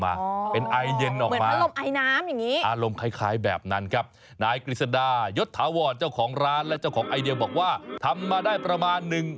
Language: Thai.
ไม่ใช่น่ะครับนี่เป็นไอเดียของเขา